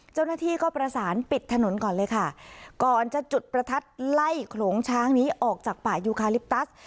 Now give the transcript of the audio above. เจ้าหน้าที่ก็ประสานปิดถนนก่อนเลยค่ะก่อนจะจุดประทัดไล่โขลงช้างนี้ออกจากป่ายูคาลิปตัส